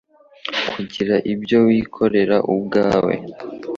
kugira ibyo wikorera ubwawe,